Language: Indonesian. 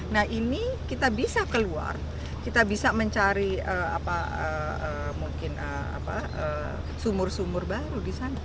nah ini kita bisa keluar kita bisa mencari mungkin sumur sumur baru di sana